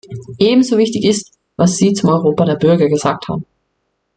Ebenso wichtig ist, was Sie zum Europa der Bürger gesagt haben.